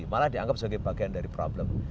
malah dianggap sebagai bagian dari problem